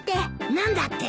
何だって？